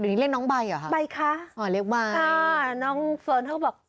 เรียกใบใช่ไหมหรือนี้เรียกน้องใบเหรอคะ